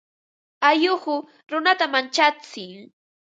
Alluqu runata manchatsin.